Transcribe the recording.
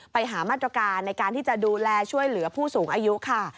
ไปหามาตรการในการที่จะดูแลช่วยเหลือผู้สูงอายุค่ะ